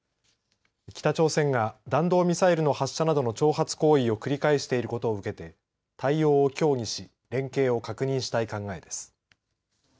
北朝鮮が弾道ミサイルの発射などの挑発行為を繰り返していることを受けて対応を協議し連携を確認したい考えです。